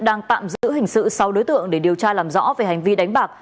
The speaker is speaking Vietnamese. đang tạm giữ hình sự sáu đối tượng để điều tra làm rõ về hành vi đánh bạc